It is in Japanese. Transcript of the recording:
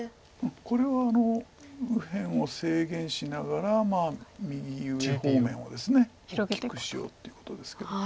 これは右辺を制限しながら右上方面をですね大きくしようってことですけど。